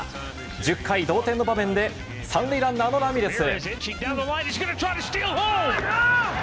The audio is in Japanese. １０回、同点の場面で３塁ランナーのラミレス。